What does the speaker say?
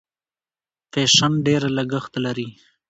فیشن ډېر لګښت لري.